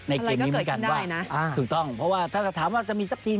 อะไรก็เกิดขึ้นได้นะถูกต้องเพราะว่าถ้าถามว่าจะมีสักทีม